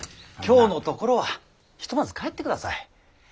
今日のところはひとまず帰ってください。